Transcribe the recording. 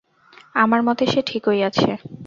আমার মতে সে ঠিকই আছে।